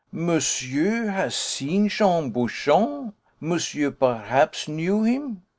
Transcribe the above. "Monsieur has seen Jean Bouchon? Monsieur perhaps knew him.